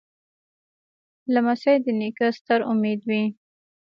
لمسی د نیکه ستر امید وي.